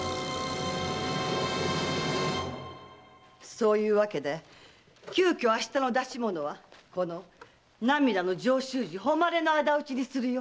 そういう訳で急遽明日の演目はこの『涙の上州路誉れの仇討ち』にするよ。